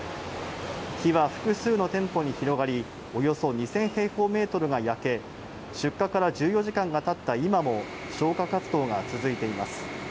火は複数の店舗に広がり、およそ２０００平方メートルが焼け、出火から１４時間が経った今も消火活動が続いています。